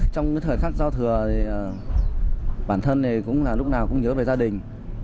trong thời khắc giao thừa bản thân lúc nào cũng nhớ về gia đình